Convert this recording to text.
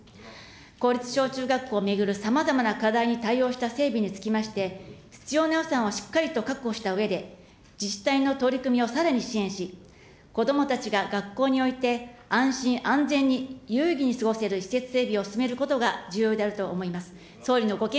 公立小中学校を巡るさまざまな課題に対応した整備につきまして、必要な予算をしっかりと確保したうえで、自治体の取り組みをさらに支援し、こどもたちが学校において安心安全に有意義に過ごせる施設整備を進めることが重要であると思います。